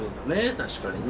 確かにね。